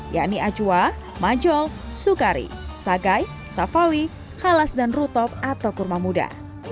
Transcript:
yakni acua majol sukari sagai safawi halas dan rutop atau kurma muda